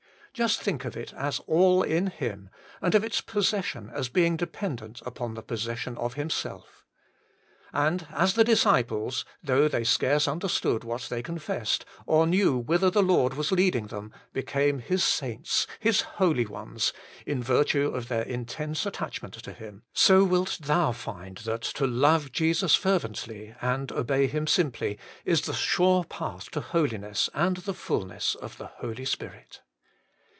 Just think of it as all in Him, and of its possession as being dependent upon the possession of Himself. And as the disciples, though they scarce understood what they confessed, or knew whither the Lord was THE HOLY ONE OF GOD. 131 leading them, became His saints, His holy ones, in virtue of their intense attachment to Him, so wilt thou find that to love Jesus fervently, and obey Him simply, is the sure path to holiness and the fulness of the Holy Spirit.